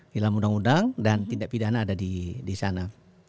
di dalam undang undang dan tindak pidana ada disana